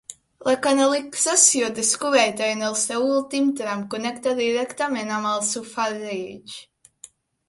La canalització, descoberta en el seu últim tram, connecta directament amb el safareig.